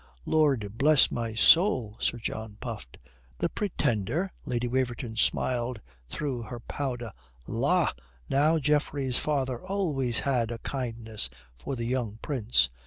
"Lord bless my soul," Sir John puffed. "The Pretender?" Lady Waverton smiled through her powder. "La, now, Geoffrey's father always had a kindness for the young Prince."